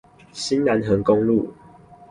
新南橫公路